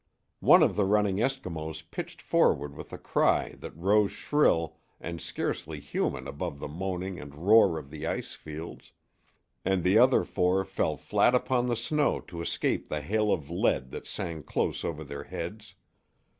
One of the running Eskimos pitched forward with a cry that rose shrill and scarcely human above the moaning and roar of the ice fields, and the other four fell flat upon the snow to escape the hail of lead that sang close over their heads.